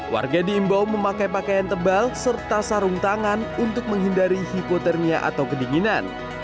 warga diimbau memakai pakaian tebal serta sarung tangan untuk menghindari hipotermia atau kedinginan